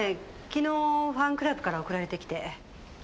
昨日ファンクラブから送られてきて。